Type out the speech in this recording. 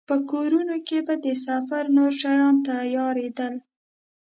په کورونو کې به د سفر نور شیان تيارېدل.